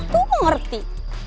tuh gue ngerti